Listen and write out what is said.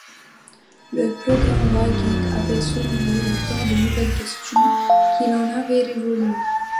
Le programme Viking avait soulevé autant de nouvelles questions qu'il en avait résolu.